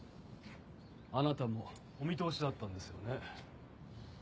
あなたもお見通しだったんですよね？